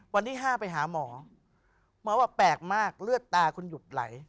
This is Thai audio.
วันที่๕ไปหาหมอหมอว่าแปลกมากเลือดตาคุณหยุดไหล